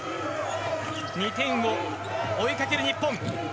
２点を追いかける日本。